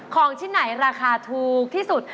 ของชิ้นไหนราคาถูกที่สุด